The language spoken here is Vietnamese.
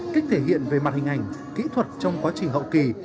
cách thể hiện về mặt hình ảnh kỹ thuật trong quá trình hậu kỳ